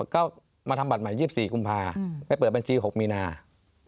ก็มาทำบัตรใหม่๒๔กุมภาไปเปิดบัญชี๖มีนา